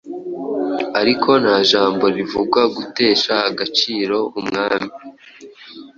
Ariko nta jambo rivugwa gutesha agaciro umwami